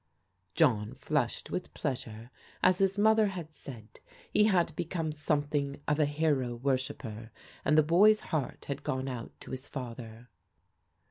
John flushed with pleasure. As his mother had said, he had become somethipg of a hero worshipper, and the boy's heart had gone out to his father.